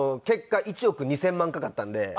結果１億２０００万かかったんで。